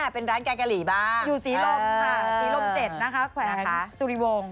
เป็นร้านแกงกะหรี่บ้างอยู่ศรีลมค่ะศรีลม๗นะคะแขวงสุริวงศ์